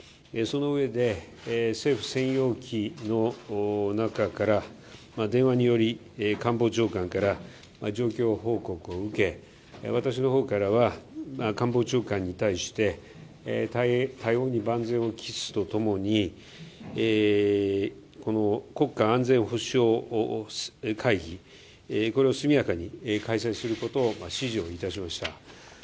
そのうえで、政府専用機の中から電話により官房長官から状況報告を受け、私の方からは、官房長官に対して対応に万全を期すとともに、国家安全保障会議を速やかに開催することを指示いたしました。